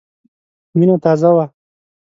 وینه تازه وه.